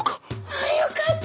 ああよかった！